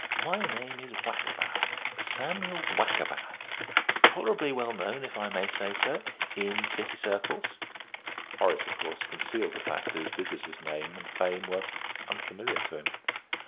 My name is Wackerbath, Samuel Wackerbath tolerably well known, if I may say so, in City circles." Horace, of course, concealed the fact that his visitor's name and fame were unfamiliar to him.